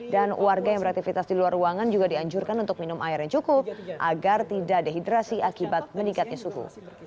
dan warga yang beraktivitas di luar ruangan juga dianjurkan untuk minum air yang cukup agar tidak dehidrasi akibat meningkatnya suhu